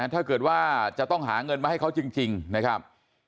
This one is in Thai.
ถ้าเกิดว่าจะต้องหาเงินมาให้เขาจริงนะครับ